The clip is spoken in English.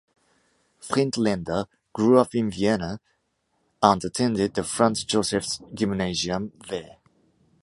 Friedländer grew up in Vienna and attended the Franz-Josephs-Gymnasium there.